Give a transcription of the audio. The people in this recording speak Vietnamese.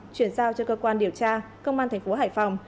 chuyển giao cho cơ quan điều tra công an tp hải phòng